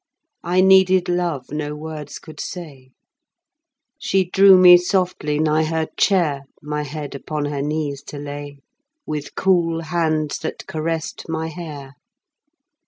I needed love no words could say; She drew me softly nigh her chair, My head upon her knees to lay, With cool hands that caressed my hair.